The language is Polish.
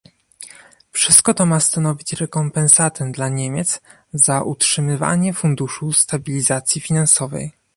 Wszystko to ma stanowić rekompensatę dla Niemiec za utrzymywanie funduszu stabilizacji finansowej